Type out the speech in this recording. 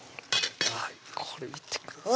はいこれ見てください